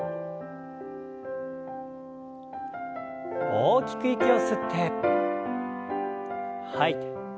大きく息を吸って吐いて。